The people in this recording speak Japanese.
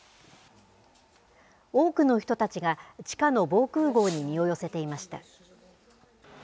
多くの人たちが、地下の防空ごうに身を寄せていました。